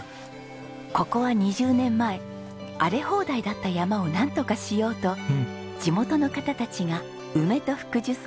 ここは２０年前荒れ放題だった山をなんとかしようと地元の方たちが梅と福寿草を植えた場所。